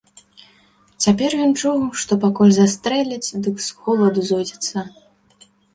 Цяпер ён чуў, што пакуль застрэляць, дык з холаду зойдзецца.